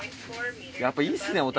やっぱいいっすね小樽。